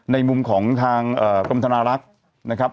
ในมุมของทางกรมธนารักษ์นะครับ